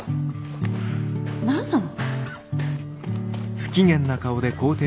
何なの？